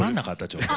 ちょっと。